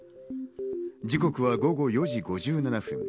時刻は午後４時５７分。